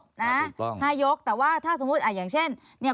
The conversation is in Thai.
ถูกต้องนะห้ายกแต่ว่าถ้าสมมุติอย่างเช่น